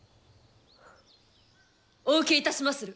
お受けいたしまする。